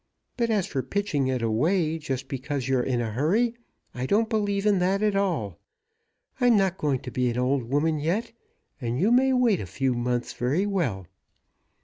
But as for pitching it away just because you're in a hurry, I don't believe in that at all. I'm not going to be an old woman yet, and you may wait a few months very well."